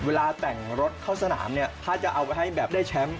เวลาแต่งรถเข้าสนามเนี่ยถ้าจะเอาไปให้แบบได้แชมป์